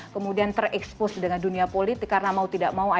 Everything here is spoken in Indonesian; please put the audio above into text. kemudian terekspos dengan dunia politik karena mau tidak mau ada